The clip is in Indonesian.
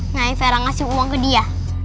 nah vera ngasih uang ke dia